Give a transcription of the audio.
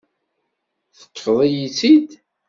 Teṭṭfeḍ-iyi-tt-id.